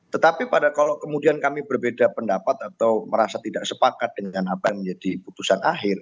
tetapi pada kalau kemudian kami berbeda pendapat atau merasa tidak sepakat dengan apa yang menjadi putusan akhir